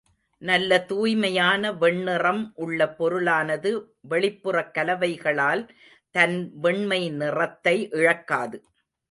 நல்ல தூய்மையான வெண்ணிறம் உள்ள பொருளானது வெளிப்புறக் கலவைகளால் தன் வெண்மை நிறத்தை இழக்காது.